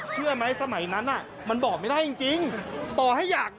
เชื่อไหมสมัยนั้นน่ะ